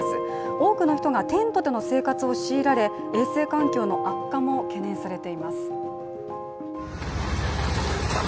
多くの人がテントでの生活を強いられ衛生環境の悪化も懸念されています。